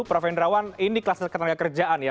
prof hendrawan ini klasis keterangan kerjaan ya